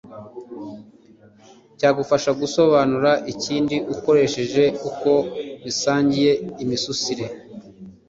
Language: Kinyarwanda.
cyagufasha gusobanura ikindi ukoresheje uko bisangiye imisusire